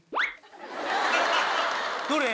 どれ？